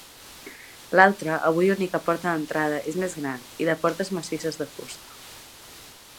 L'altre, avui única porta d'entrada, és més gran i de portes massisses de fusta.